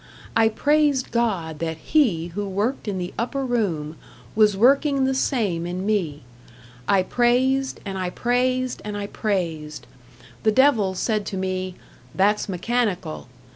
I praised God that He who worked in the Upper Room was working the same in me. I praised, and I praised, and I praised. The devil said to me, "That's mechanical."